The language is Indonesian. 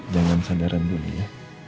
jangan sandaran bunyi